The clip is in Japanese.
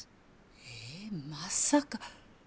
えまさか。